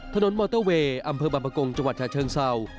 มอเตอร์เวย์อำเภอบางประกงจังหวัดชาเชิงเศร้า